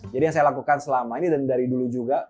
jadi yang saya lakukan selama ini dan dari dulu juga